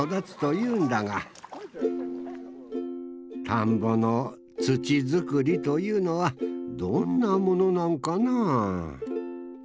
田んぼの土作りというのはどんなものなんかな？